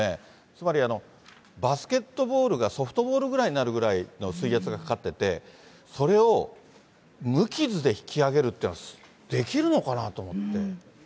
つまりバスケットボールがソフトボールぐらいになるくらいの水圧がかかってて、それを無傷で引き揚げるってできるのかなと思って。